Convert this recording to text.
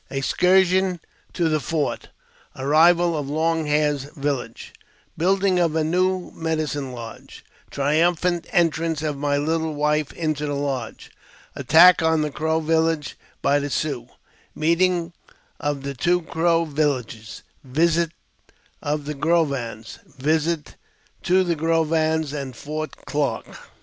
Excursion to the Fort— Arrival of Long Hair's Village — Building of a new Medicine Lodge— Triumphant Entrance of my little Wife into the Lodge — Attack on the Crow Village by the Siouxs — Meeting of the two Crow Villages — Visit of the Grovans — Visit to the Grovans and Fort Clarke.